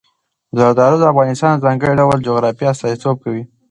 زردالو د افغانستان د ځانګړي ډول جغرافیه استازیتوب کوي.